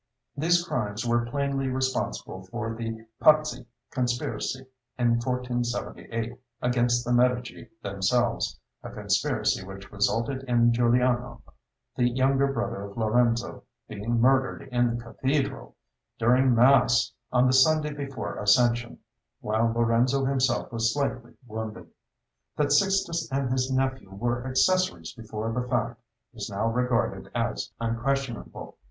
These crimes were plainly responsible for the Pazzi conspiracy in 1478 against the Medici themselves, a conspiracy which resulted in Giuliano, the younger brother of Lorenzo, being murdered in the cathedral, during mass, on the Sunday before Ascension, while Lorenzo himself was slightly wounded. That Sixtus and his nephew were accessories before the fact is now regarded as unquestionable.